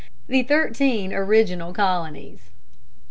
THE THIRTEEN ORIGINAL COLONIES.